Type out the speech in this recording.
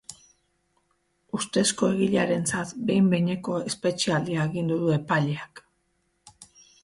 Ustezko egilearentzat behin-behineko espetxealdia agindu du epaileak.